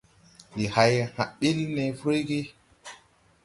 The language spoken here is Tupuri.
Ndi hay hã bil ne fruygi.